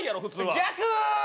逆！